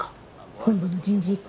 本部の人事一課